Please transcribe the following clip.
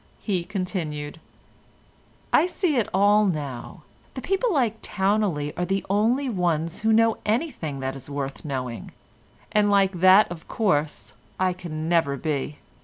He continued— "I see it all now. The people like Towneley are the only ones who know anything that is worth knowing, and like that of course I can never be.